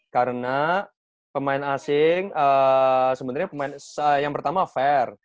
karena pemain asing sebenernya yang pertama fair